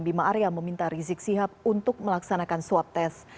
bima arya meminta rizik sihab untuk melaksanakan swab tes